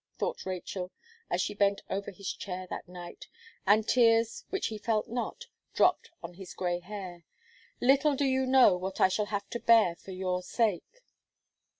thought Rachel, as she bent over his chair that night, and tears, which he felt not, dropped on his gray hair, "little do you know what I shall have to bear for your sake."